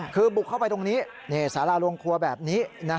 คือบุกเข้าไปตรงนี้สาราลงครัวแบบนี้